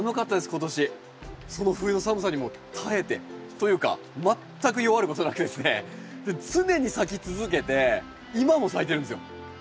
今年その冬の寒さにも耐えてというか全く弱ることなくですね常に咲き続けて今も咲いてるんですよ。